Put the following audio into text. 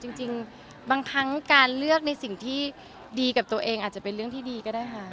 จริงบางครั้งการเลือกในสิ่งที่ดีกับตัวเองอาจจะเป็นเรื่องที่ดีก็ได้ค่ะ